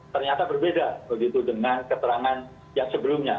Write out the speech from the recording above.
ternyata berbeda begitu dengan keterangan yang sebelumnya